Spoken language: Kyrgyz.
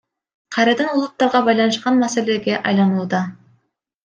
Кайрадан улуттарга байланышкан маселеге айланууда.